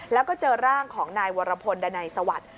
แล้วก็เจอร่างของนายวรพลดานัยสวัสดิ์